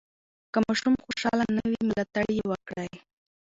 که ماشوم خوشحاله نه وي، ملاتړ یې وکړئ.